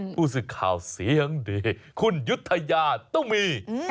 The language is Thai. ผู้สื่อข่าวเสียงดีคุณยุธยาตุ้มี